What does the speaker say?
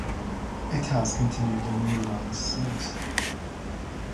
It has continued in reruns since.